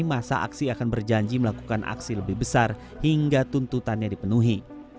masa aksi akan berjanji melakukan aksi lebih besar hingga tuntutannya dipenuhi